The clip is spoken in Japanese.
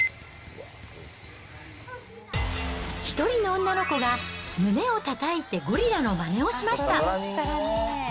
１人の女の子が胸をたたいてゴリラのまねをしました。